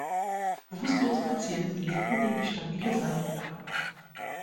Bewusstlose Patienten legt man in die stabile Seitenlage.